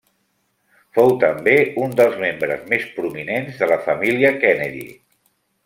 Fou també, un dels membres més prominents de la família Kennedy.